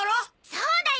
そうだよ！